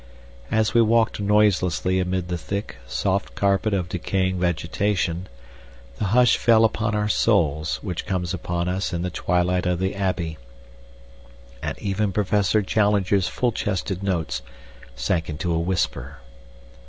As we walked noiselessly amid the thick, soft carpet of decaying vegetation the hush fell upon our souls which comes upon us in the twilight of the Abbey, and even Professor Challenger's full chested notes sank into a whisper.